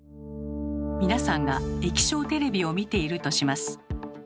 皆さんが液晶テレビを見ているとします。